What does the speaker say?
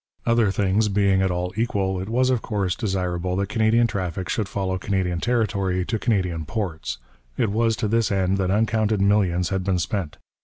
Other things being at all equal, it was of course desirable that Canadian traffic should follow Canadian territory to Canadian ports; it was to this end that uncounted millions had been spent.